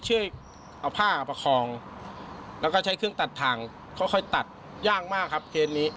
ช่วยเอาผ้าประคองแล้วก็ใช้เครื่องตัดทางค่อยตัดยากมากครับเคสนี้